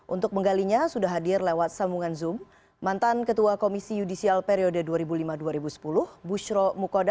untuk menggalinya sudah hadir lewat sambungan zoom mantan ketua komisi yudisial periode dua ribu lima dua ribu sepuluh bushro mukoda